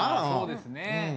そうですね